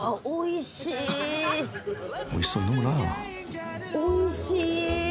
［おいしそうに飲むなぁ］